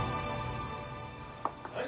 はい！